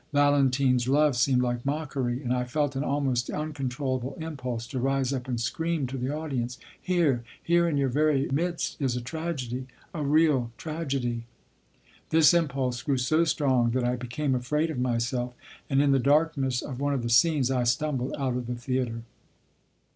Valentine's love seemed like mockery, and I felt an almost uncontrollable impulse to rise up and scream to the audience: "Here, here in your very midst, is a tragedy, a real tragedy!" This impulse grew so strong that I became afraid of myself, and in the darkness of one of the scenes I stumbled out of the theatre.